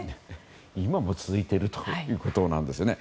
今も続いているということなんですよね。